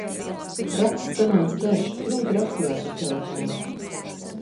Raksts sanāca garš, grūti rakstījās uz telefona.